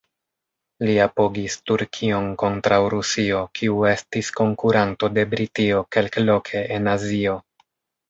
Li apogis Turkion kontraŭ Rusio, kiu estis konkuranto de Britio kelkloke en Azio.